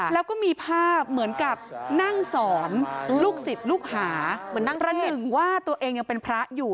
แล้วก็มีภาพเหมือนกับนั่งสอนลูกศิษย์ลูกหาเหมือนนั่งระหนึ่งว่าตัวเองยังเป็นพระอยู่